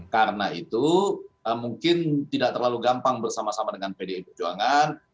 karena itu mungkin tidak terlalu gampang bersama sama dengan pdi perjuangan